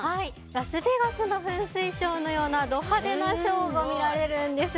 ラスベガスの噴水ショーのようなド派手なショーが見られるんです。